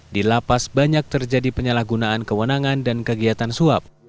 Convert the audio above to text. di lapas banyak terjadi penyalahgunaan kewenangan dan kegiatan suap